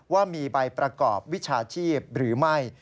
ว่ามีใบประกอบวิชาชีพหรือไม่